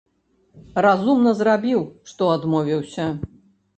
Разумна зрабiў, што адмовiўся.